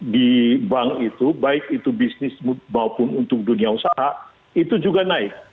di bank itu baik itu bisnis maupun untuk dunia usaha itu juga naik